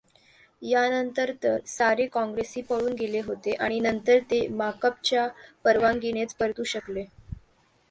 यानंतर तर सारे काँग्रेसी पळून गेले होते आणि नंतर ते माकपच्या परवानगीनेच परतू शकले.